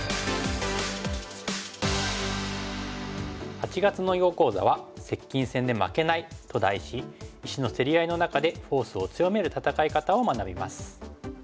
８月の囲碁講座は「接近戦で負けない」と題し石の競り合いの中でフォースを強める戦い方を学びます。